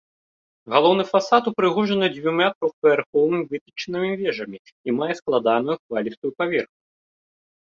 Галоўны фасад упрыгожаны дзвюма трохпавярховымі вытанчанымі вежамі і мае складаную хвалістую паверхню.